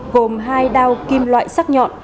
gồm hai đao kim loại sắc nhọn